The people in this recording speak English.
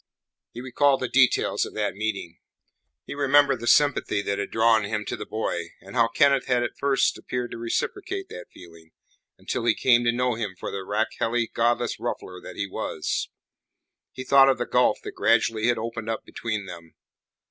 He recalled the details of that meeting; he remembered the sympathy that had drawn him to the boy, and how Kenneth had at first appeared to reciprocate that feeling, until he came to know him for the rakehelly, godless ruffler that he was. He thought of the gulf that gradually had opened up between them.